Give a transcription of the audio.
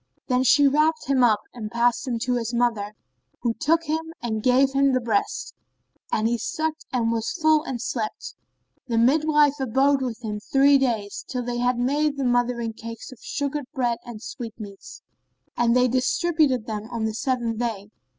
Then she wrapped him up and passed him to his mother, who took him and gave him the breast; and he sucked and was full and slept. The midwife abode with them three days, till they had made the mothering cakes of sugared bread and sweetmeats; and they distributed them on the seventh day.